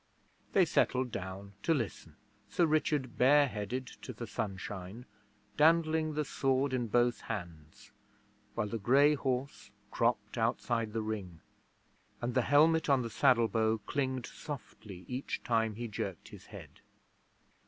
They settled down to listen, Sir Richard bare headed to the sunshine, dandling the sword in both hands, while the grey horse cropped outside the Ring, and the helmet on the saddle bow clinged softly each time he jerked his head.